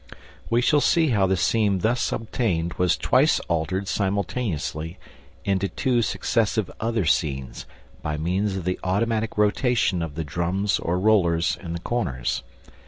We shall see how the scene thus obtained was twice altered instantaneously into two successive other scenes, by means of the automatic rotation of the drums or rollers in the corners.